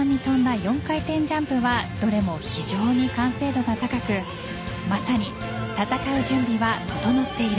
４回転ジャンプはどれも非常に完成度が高くまさに戦う準備は整っている。